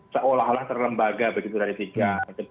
seolah olah terlembaga begitu dari tiga